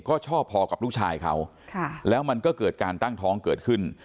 ก็ชอบพอกับลูกชายเขาแล้วมันก็เกิดการตั้งท้องเกิดขึ้น